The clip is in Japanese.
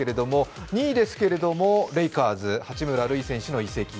２位ですがレイカーズ・八村塁選手の移籍。